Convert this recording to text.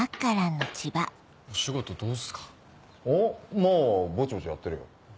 まぁぼちぼちやってるよ。